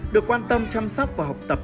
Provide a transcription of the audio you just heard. được quan tâm chăm sóc và học tập